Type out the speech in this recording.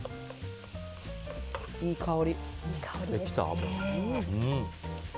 いい香り。